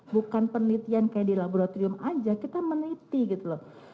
bukan penelitian kayak di laboratorium aja kita meneliti gitu loh